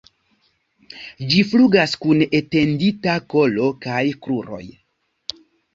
Ĝi flugas kun etendita kolo kaj kruroj.